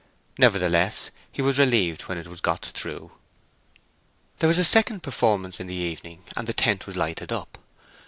Nevertheless, he was relieved when it was got through. There was a second performance in the evening, and the tent was lighted up.